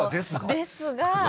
ですが何？